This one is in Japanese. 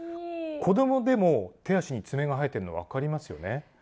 子供でも手足につめが生えてるの分かりますよね。